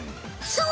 そう！